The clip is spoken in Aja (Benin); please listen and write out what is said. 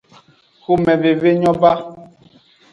Xomeveve nyo ba.